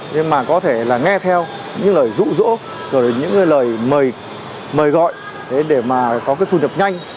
nhưng có thể nghe theo những lời rũ rỗ những lời mời gọi để có thu nhập nhanh